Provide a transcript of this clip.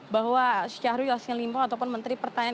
bahwa syahrul yassin limpo ataupun menteri pertanian